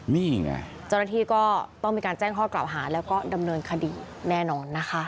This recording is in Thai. นี่ไงเจ้าหน้าที่ก็ต้องมีการแจ้งข้อกล่าวหาแล้วก็ดำเนินคดีแน่นอนนะคะ